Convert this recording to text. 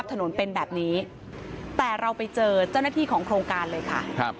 แต่เราไปเจอเจ้าหน้าที่ของโครงการเลยค่ะ